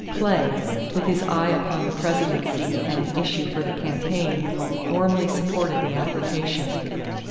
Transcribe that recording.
Clay, with his eye upon the presidency and an issue for the campaign, warmly supported the application.